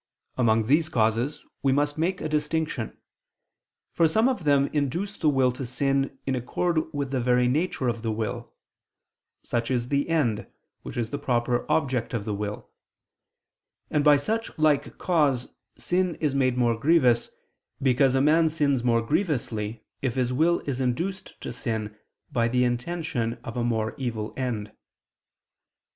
Among these causes we must make a distinction; for some of them induce the will to sin in accord with the very nature of the will: such is the end, which is the proper object of the will; and by a such like cause sin is made more grievous, because a man sins more grievously if his will is induced to sin by the intention of a more evil end.